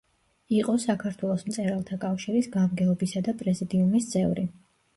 იყო საქართველოს მწერალთა კავშირის გამგეობისა და პრეზიდიუმის წევრი.